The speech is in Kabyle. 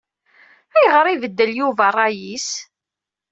Ayɣer ibeddel Yuba ṛṛay-is?